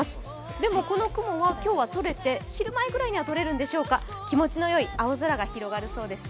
でもこの雲は今日は取れて、昼前ぐらいには取れるんでしょうか気持ちのよい青空が広がるようですよ。